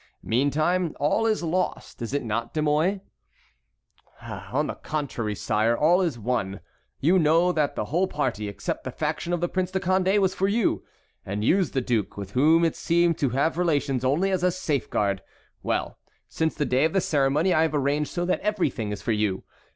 Meantime, all is lost, is it not, De Mouy?" "On the contrary, sire, all is won. You know that the whole party, except the faction of the Prince de Condé, was for you, and used the duke, with whom it seemed to have relations, only as a safeguard. Well, since the day of the ceremony I have arranged so that everything is for you.